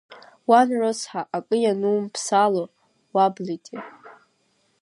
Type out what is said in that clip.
Уан рыцҳа, акы инанумԥсало, уаблитеи!